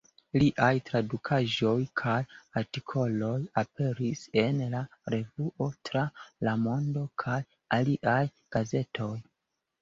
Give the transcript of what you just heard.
Liaj tradukaĵoj kaj artikoloj aperis en "La Revuo, Tra la Mondo" kaj aliaj gazetoj.